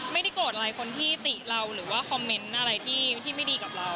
ไม่ได้โกรธอะไรคนที่ติเราหรือว่าคอมเมนต์อะไรที่ไม่ดีกับเรา